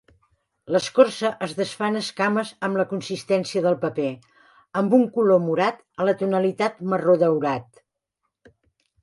L'escorça es desfa en escames amb la consistència del paper, amb un color morat a la tonalitat marró daurat.